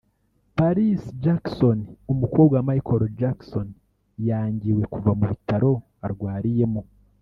Paris Jackson umukobwa wa Michael Jackson yangiwe kuva mu bitaro arwariyemo